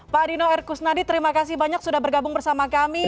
pak dino erkusnadi terima kasih banyak sudah bergabung bersama kami